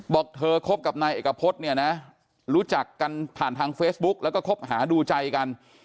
บอกเธอคบกับนายเอกพฤษเนี่ยนะรู้จักกันผ่านทางเฟซบุ๊กแล้วก็คบหาดูใจกัน